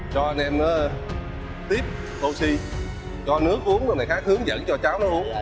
cho anh em nó tiếp oxy cho nước uống rồi này khác hướng dẫn cho cháu nó uống